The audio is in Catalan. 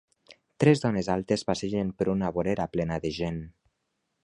Tres dones altes passegen per una vorera plena de gent.